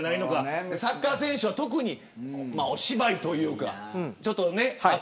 サッカー選手は特にお芝居というか。